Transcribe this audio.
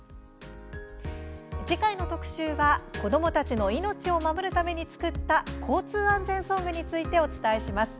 次回の特集は子どもたちの命を守るために作った交通安全ソングについてお伝えします。